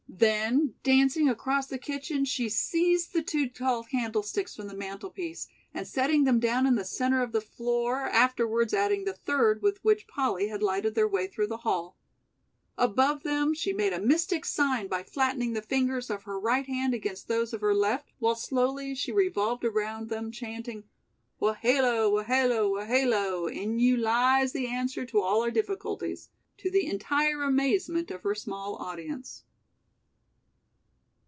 Then dancing across the kitchen she seized the two tall candlesticks from the mantelpiece and setting them down in the center of the floor afterwards added the third, with which Polly had lighted their way through the hall. Above them she made a mystic sign by flattening the fingers of her right hand against those of her left, while slowly she revolved about them chanting: "Wohelo, Wohelo, Wohelo, in you lies the answer to all our difficulties," to the entire amazement of her small audience.